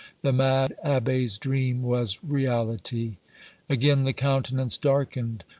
The mad abbé's dream was reality!" Again the countenance darkened.